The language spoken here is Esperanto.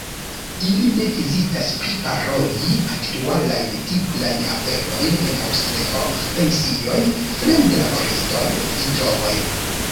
Ili ne hezitas priparoli aktualajn tiklajn aferojn en Aŭstrio: pensioj, fremdlaboristoj, fidrogoj.